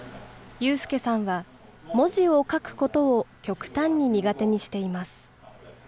有祐さんは文字を書くことを極端に苦手にしています。